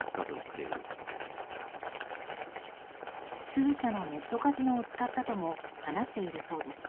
数社のネットカジノを使ったとも話しているそうです。